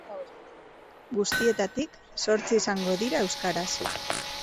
Guztietatik, zortzi izango dira euskaraz.